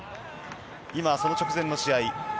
今、その直前の試合